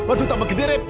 aduh tambah gede rep